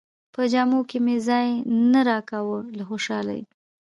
په جامو کې مې ځای نه راکاوه له خوشالۍ.